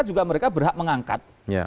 juga mereka berhak mengangkat